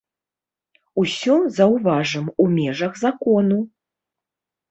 Усё, заўважым, у межах закону.